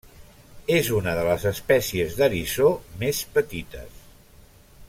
És una de les espècies d'eriçó més petites.